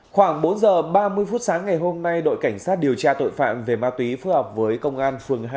khoảng bốn giờ ba mươi phút sáng ngày hôm nay đội cảnh sát điều tra tội phạm về ma túy phối hợp với công an phường hai